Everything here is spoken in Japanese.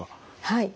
はい。